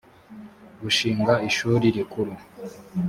gushinga ishuri rikuru